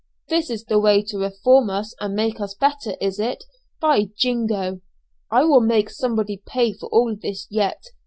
This is the way to reform us and make us better, is it? By jingo! I will make somebody pay for all this yet.